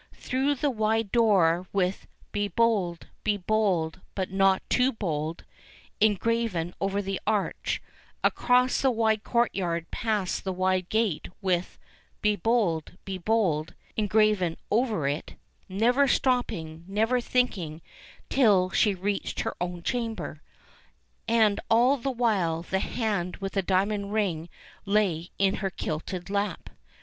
Through the wide door with BE BOLD, BE BOLD, BUT NOT TOO BOLD engraven over the arch, across the wide courtyard past the wide gate with BE BOLD — BE BOLD engraven over it, never stopping, never thinking till she reached her own chamber. And all the while the hand with the diamond ring lay in her kilted lap.